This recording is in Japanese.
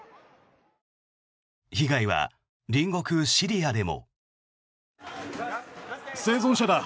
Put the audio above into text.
被害は隣国シリアでも。